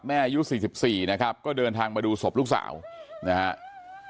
อายุ๔๔นะครับก็เดินทางมาดูศพลูกสาวนะครับ